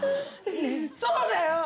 そうだよ！